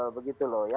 jadi itu ya